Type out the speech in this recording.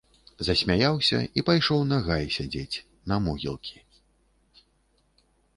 Засмяяўся і пайшоў на гай сядзець, на могілкі.